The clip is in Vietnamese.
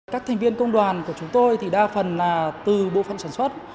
các thành viên công đoàn của chúng tôi thì đa phần là từ bộ phận sản xuất